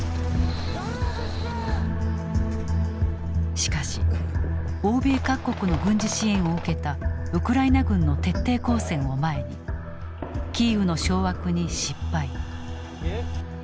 しかし欧米各国の軍事支援を受けたウクライナ軍の徹底抗戦を前にキーウの掌握に失敗。